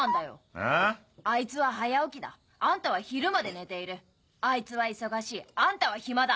あいつは早起きだ。あんたは昼まで寝ているあいつは忙しいあんたは暇だ。